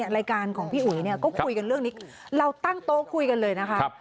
รายการของพี่อุ๋ยเนี่ยก็คุยกันเรื่องนี้เราตั้งโต๊ะคุยกันเลยนะคะ